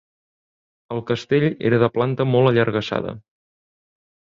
El castell era de planta molt allargassada.